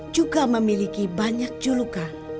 juga memiliki banyak julukan